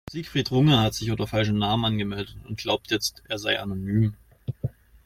Siegfried Runge hat sich unter falschem Namen angemeldet und glaubt jetzt, er sei anonym.